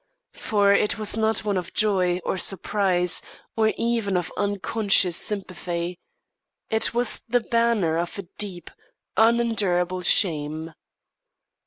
For it was not one of joy, or surprise, or even of unconscious sympathy. It was the banner of a deep, unendurable shame.